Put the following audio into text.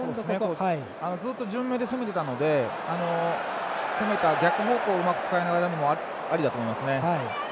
ずっと順目で攻めていたので逆方向をうまく使いながらというのもありだと思います。